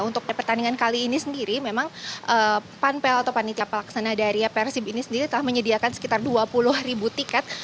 untuk pertandingan kali ini sendiri memang panpel atau panitia pelaksana dari persib ini sendiri telah menyediakan sekitar dua puluh ribu tiket